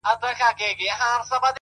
پوهه د تیروتنو شمېر راکموي.!